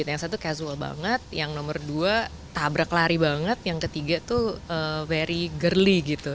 yang satu casual banget yang nomor dua tabrak lari banget yang ketiga tuh very girly gitu